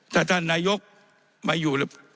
ถ้าท่านนายกมาอยู่